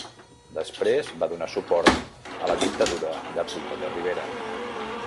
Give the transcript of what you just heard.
Després va donar suport la dictadura de Primo de Rivera.